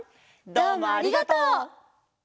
どうもありがとう。